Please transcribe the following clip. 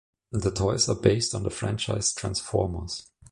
The toys are based on the franchise Transformers.